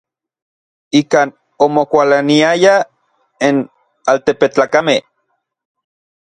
Ikan omokualaniayaj n altepetlakamej.